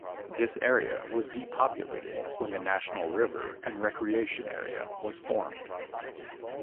This area was depopulated when the National River and Recreation Area was formed.